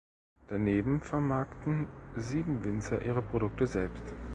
Daneben vermarkten sieben Winzer ihre Produkte selbst.